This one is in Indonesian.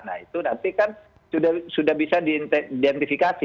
nah itu nanti kan sudah bisa diidentifikasi